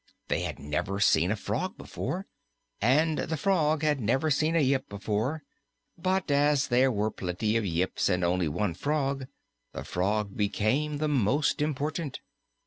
They had never seen a frog before, and the frog had never seen a Yip before, but as there were plenty of Yips and only one frog, the frog became the most important.